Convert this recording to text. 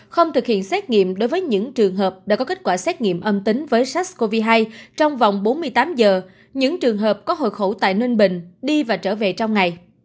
không thực hiện xét nghiệm đối với những trường hợp đã có kết quả xét nghiệm âm tính với sars cov hai trong vòng bốn mươi tám giờ những trường hợp có hộ khẩu tại ninh bình đi và trở về trong ngày